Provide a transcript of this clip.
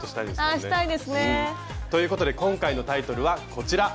うん。ということで今回のタイトルはこちら！